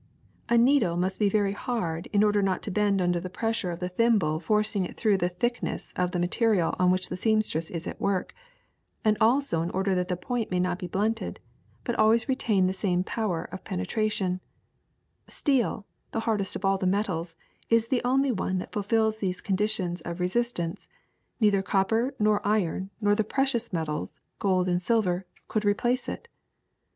A needle must be very hard in order not to bend under the pressure of the 1 Nearly one fifth of a cent in our money. — Translator. 13 U THE SECRET OF EVERYDAY THINGS thimble forcing it through the thickness of the ma terial on which the seamstress is at work, and also in order that the point may not become blunted, but al ways retain the same power of penetration. Steel, the hardest of all the metals, is the only one that ful fils these conditions of resistance ; neither copper nor iron nor the precious metals, gold and silver, could replace it.